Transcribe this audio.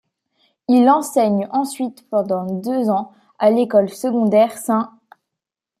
Il enseigne ensuite pendant deux ans à l'école secondaire St.